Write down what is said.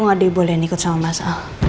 saya tidak boleh ikut dengan mas al